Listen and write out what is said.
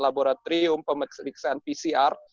laboratorium pemeliksaan pcr